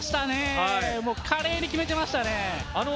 華麗に決めていましたね。